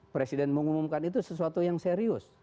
presiden mengumumkan itu sesuatu yang serius